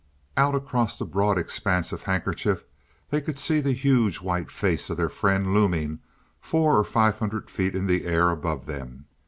Out across the broad expanse of handkerchief they could see the huge white face of their friend looming four or five hundred feet in the air above them.